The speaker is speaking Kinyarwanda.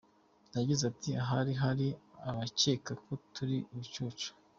Yagize ati “Ahari hari abakeka ko turi ibicucu.